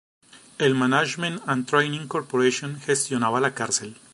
El Management and Training Corporation gestionaba la cárcel.